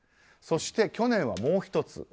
そして、去年はもう１つ。